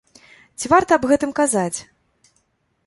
Ці варта аб гэтым казаць?